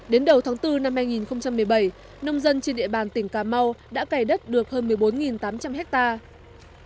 đến đầu tháng bốn năm hai nghìn một mươi bảy nông dân trên địa bàn tỉnh cà mau đã cày đất được hơn một mươi bốn tám trăm linh hectare